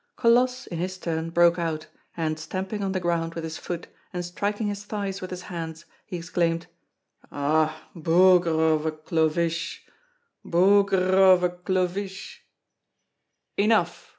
Colosse, in his turn, broke out, and, stamping on the ground with his foot and striking his thighs with his hands, he exclaimed: "Ha! bougrrre of a Cloviche! bougrrre of a Cloviche!" "Enough!"